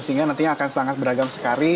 sehingga nantinya akan sangat beragam sekali